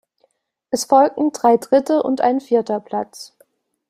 Es folgten drei dritte und ein vierter Platz.